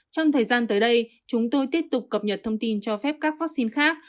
trong thời gian tới đây chúng tôi tiếp tục cập nhật thông tin cho phép các vaccine khác